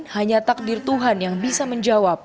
hanya takdir tuhan yang bisa menjawab